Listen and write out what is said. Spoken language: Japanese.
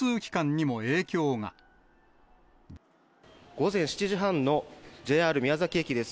午前７時半のＪＲ宮崎駅です。